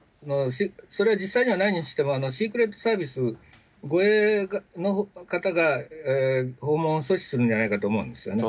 それは実際にはないにしても、シークレットサービス、護衛の方が訪問を阻止するんじゃないかと思うんですよね。